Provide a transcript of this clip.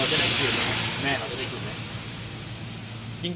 แม่เราจะได้คืนไง